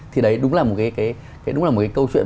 thì đấy đúng là một cái câu chuyện